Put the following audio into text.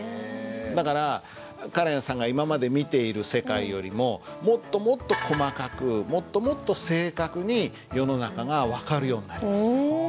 だからカレンさんが今まで見ている世界よりももっともっと細かくもっともっと正確に世の中が分かるようになります。